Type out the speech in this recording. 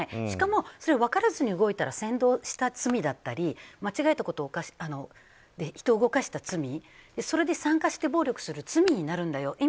しかも、それを分からずに動いたら先導した罪だったり間違えたことで人を動かした罪それで参加して、暴力する罪になるんだよ